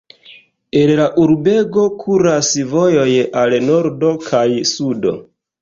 El la urbego kuras vojoj al nordo kaj sudo.